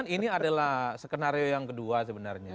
ini adalah skenario yang kedua sebenarnya